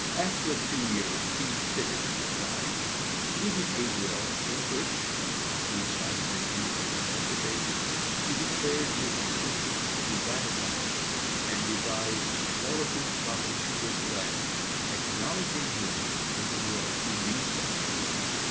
After a few years he sickened and died, leaving a will, in which, after reciting the deed of emancipation, he declared his intention to ratify it, and devised all his property to this lad, acknowledging him in the will to be such.